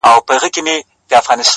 o ستا د مستۍ په خاطر،